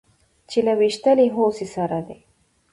چې له ويشتلې هوسۍ سره د